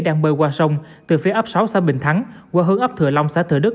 đang bơi qua sông từ phía ấp sáu xã bình thắng qua hướng ấp thừa long xã thừa đức